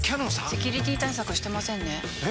セキュリティ対策してませんねえ！